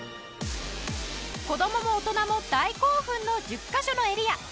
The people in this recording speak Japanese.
子供も大人も大興奮の１０カ所のエリア